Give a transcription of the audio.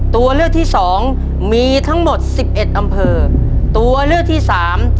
ตัวเลือกที่สองมีทั้งหมดสิบเอ็ดอำเภอตัวเลือกที่สาม